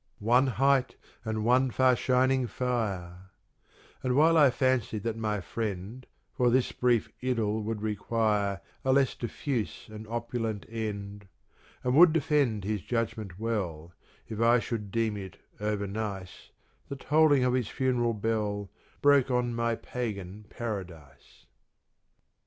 221 " One height and one far shining fire," And while I fancied that my friend For this brief idyll would require A less diffuse and opulent end And would defend his judgment well If I should deem it over nice, The tolling of his funeral bell Broke on my pagan Paradise.